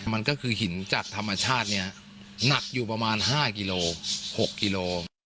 มันก็คือหินจากธรรมชาติเนี่ยหนักอยู่ประมาณ๕กิโล๖กิโล